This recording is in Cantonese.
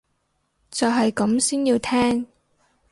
就係咁先要聽